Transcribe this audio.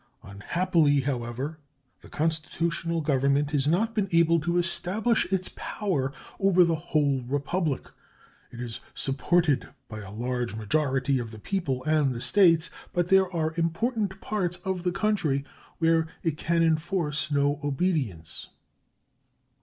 Unhappily, however, the constitutional Government has not been able to establish its power over the whole Republic. It is supported by a large majority of the people and the States, but there are important parts of the country where it can enforce no obedience.